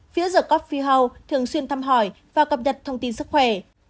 phía the coffee house thường xuyên thăm hỏi và cập nhật thông tin sức khỏe